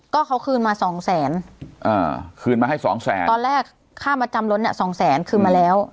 ก็เขาคืนมาสองแสนอ่าคืนมาให้สองแสนตอนแรกค่ามาจำรถเนี้ยสองแสนคืนมาแล้ว